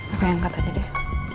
aku angkat aja deh